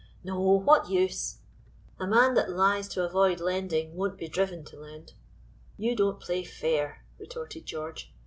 "No; what use? A man that lies to avoid lending won't be driven to lend." "You don't play fair," retorted George.